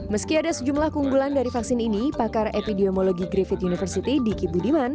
meski ada sejumlah keunggulan dari vaksin ini pakar epidemiologi griffith university diki budiman